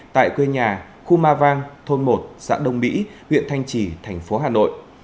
tại quê nhà khu ma vang thôn một xã đông mỹ huyện thanh trì thành phố hà nội